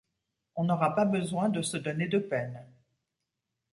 On n’aura pas besoin de se donner de peine